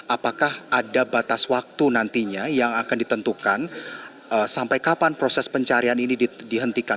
apakah ada batas waktu nantinya yang akan ditentukan sampai kapan proses pencarian ini dihentikan